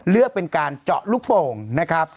เป็นการเจาะลูกโป่งนะครับ